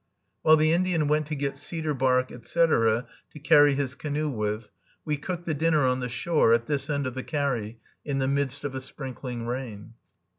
While the Indian went to get cedar bark, etc., to carry his canoe with, we cooked the dinner on the shore, at this end of the carry, in the midst of a sprinkling rain.